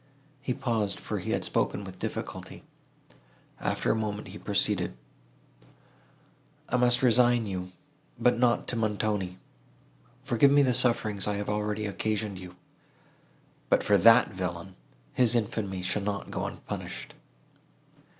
He paused, for he had spoken with difficulty. After a moment, he proceeded. "I must resign you, but not to Montoni. Forgive me the sufferings I have already occasioned you! But for that villain—his infamy shall not go unpunished.